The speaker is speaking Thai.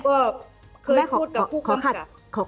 คุณแม่ก็เคยพูดกับผู้กอง